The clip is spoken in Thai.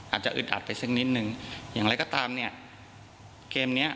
อึดอัดไปสักนิดนึงอย่างไรก็ตามเนี่ยเกมเนี้ย